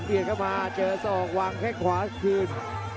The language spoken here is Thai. เปลี่ยนเข้ามาเจอสองวางแค่ขวาคืน